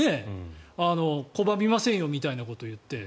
拒みませんよみたいなことを言って。